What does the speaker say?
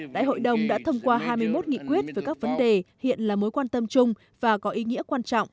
đại hội đồng đã thông qua hai mươi một nghị quyết về các vấn đề hiện là mối quan tâm chung và có ý nghĩa quan trọng